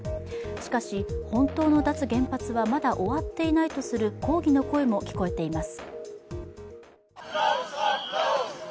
しかし、本当の脱原発はまだ終わっていないとする抗議の声も聞こえています。